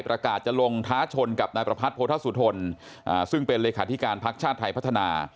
ประกาศจะลงท้าชนกับนายประพัทธสุทนซึ่งเป็นเลขาธิการพักชาติไทยพัฒนา